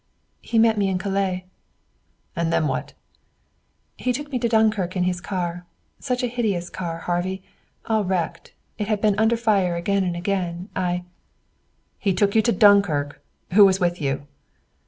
"He met me in Calais." "And then what?" "He took me to Dunkirk in his car. Such a hideous car, Harvey all wrecked. It had been under fire again and again. I " "He took you to Dunkirk! Who was with you?"